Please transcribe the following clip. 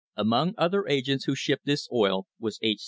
Among other independents who shipped this oil was H.